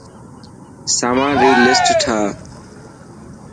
سامان ري لسٽ ٺاهه.